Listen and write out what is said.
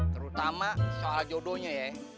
terutama soal jodonya ya